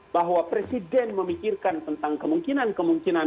bahwa presiden memikirkan tentang kemungkinan kemungkinan